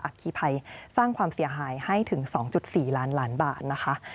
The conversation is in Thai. คีภัยสร้างความเสียหายให้ถึง๒๔ล้านล้านบาทนะคะ